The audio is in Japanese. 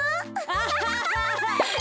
アハハハ。